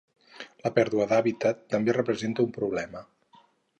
La pèrdua d'hàbitat també representa un problema.